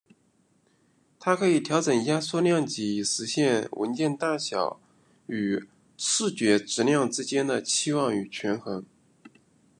它可以调整压缩量级以实现文件大小与视觉质量之间的期望与权衡。